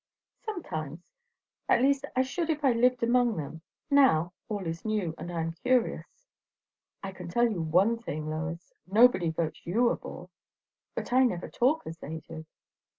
"Sometimes. At least I should if I lived among them. Now, all is new, and I am curious." "I can tell you one thing, Lois; nobody votes you a bore." "But I never talk as they do."